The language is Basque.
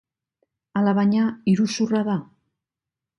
Alabaina, iruzurra da.